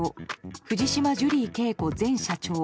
藤島ジュリー景子前社長